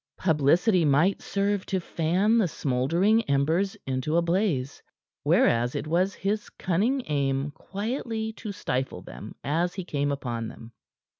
Publicity might serve to fan the smouldering embers into a blaze, whereas it was his cunning aim quietly to stifle them as he came upon them.